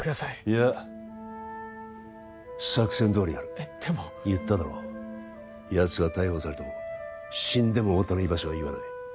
いや作戦どおりやるえっでも言っただろやつは逮捕されても死んでも太田の居場所は言わない